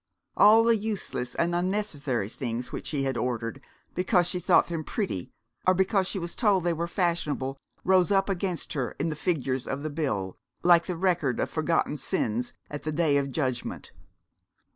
All the useless and unnessary things which she had ordered, because she thought them pretty or because she was told they were fashionable, rose up against her in the figures of the bill, like the record of forgotten sins at the Day of Judgment.